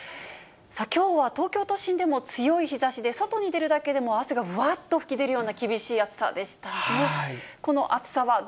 きょうは東京都心でも強い日ざしで、外に出るだけでも汗がぶわっと噴き出るような厳しい暑さでしたね。